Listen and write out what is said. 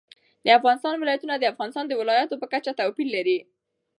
د افغانستان ولايتونه د افغانستان د ولایاتو په کچه توپیر لري.